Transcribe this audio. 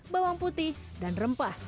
bawang putih dan rempah